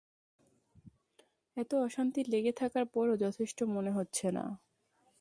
এতো অশান্তি লেগে থাকার পরও যথেষ্ট মনে হচ্ছে না?